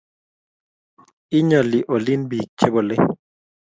inyooli olik biik chebolei